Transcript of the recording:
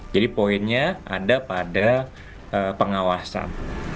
jadi poinnya ada pada pengawasan